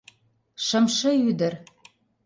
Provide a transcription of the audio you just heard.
Шымше ӱдыр.